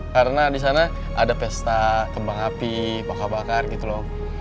karena disana ada pesta kembang api bakar bakar gitu lho